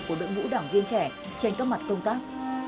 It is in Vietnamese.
của đội ngũ đảng viên trẻ trên các mặt công tác